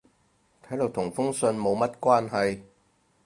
睇落同封信冇乜關係